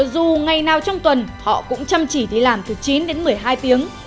dù ngày nào trong tuần họ cũng chăm chỉ đi làm từ chín đến một mươi hai tiếng